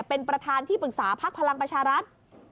เป็นประธานที่ปรึกษาพักพลังประชารัฐ